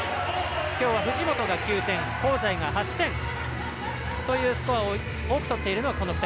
きょうは藤本が９点香西が８点というスコアを多くとっているのはこの２人。